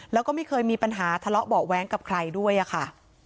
แล้วก็ไม่เคยมีปัญหาทะเลาะเบาะแว้งกับใครด้วยอะค่ะ